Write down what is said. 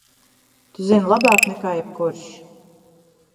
Tu zini labāk nekā jebkurš!